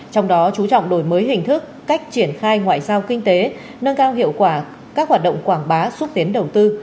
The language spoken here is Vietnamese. trong đó chú trọng đổi mới hình thức cách triển khai ngoại giao kinh tế nâng cao hiệu quả các hoạt động quảng bá xúc tiến đầu tư